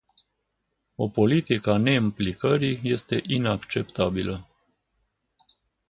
O politică a neimplicării este inacceptabilă.